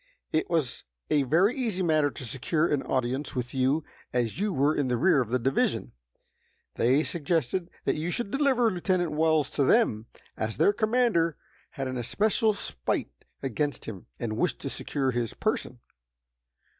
It was a very easy matter to secure an audience with you as you were in the rear of the division. They suggested that you should deliver Lieutenant Wells to them, as their commander had an especial spite against him, and wished to secure his person.